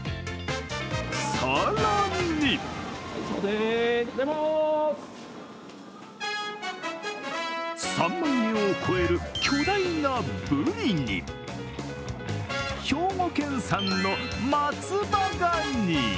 更に３万円を超える巨大なブリに、兵庫県産の松葉がに。